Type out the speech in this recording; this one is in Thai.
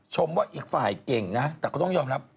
ชมว่าอีกฝ่ายเก่งนะแต่ก็ต้องยอมรับ